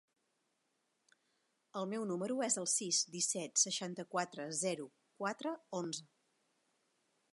El meu número es el sis, disset, seixanta-quatre, zero, quatre, onze.